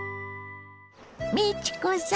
美智子さん